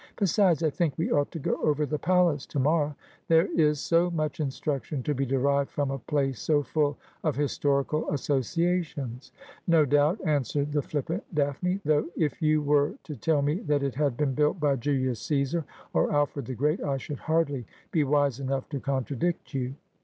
Besides, I think we ought to go over the palace to morrow. There is so much instruction to be derived from a place so full of historical associations.' ' No doubt,' answered the flippant Daphne, ' though if you were to tell me that it had been built by Julius Ceesar or Alfred the Great, I should hardly be wise enough to contradict you.'